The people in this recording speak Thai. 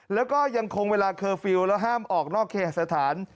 แล้วก็ยังคงเวลาเคอร์ฟิลล์แล้วห้ามออกนอกเคหสถาน